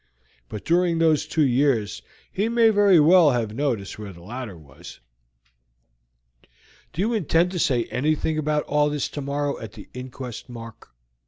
But during those two years he may very well have noticed where the ladder was." "Do you intend to say anything about all this tomorrow at the inquest, Mark?"